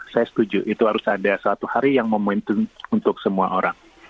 saya setuju itu harus ada suatu hari yang momentum untuk semua orang